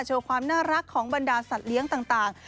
ความน่ารักของบรรดาสัตว์เลี้ยงต่าง